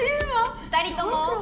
２人とも。